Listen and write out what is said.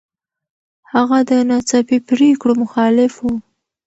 هغه د ناڅاپي پرېکړو مخالف و.